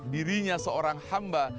dirinya seorang hamba